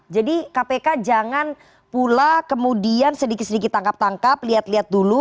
jadi kpk jangan pula kemudian sedikit sedikit tangkap tangkap lihat lihat dulu